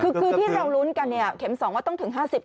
คือที่เรารุ้นกันเนี่ยเข็ม๒ว่าต้องถึง๕๐